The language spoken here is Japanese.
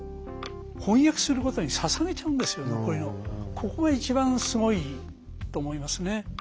ここが一番すごいと思いますね。